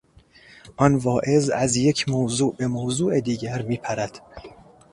آن واعظ از یک موضوع به موضوع دیگر میپرد.